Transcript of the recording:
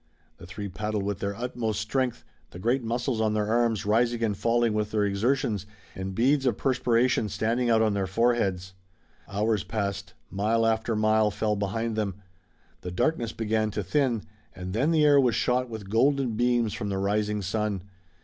The three paddled with their utmost strength, the great muscles on their arms rising and falling with their exertions, and beads of perspiration standing out on their foreheads. Hours passed. Mile after mile fell behind them. The darkness began to thin, and then the air was shot with golden beams from the rising sun.